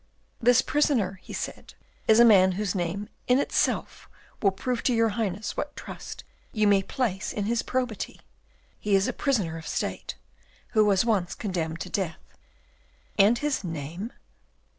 "This prisoner," he said, "is a man whose name in itself will prove to your Highness what trust you may place in his probity. He is a prisoner of state, who was once condemned to death." "And his name?"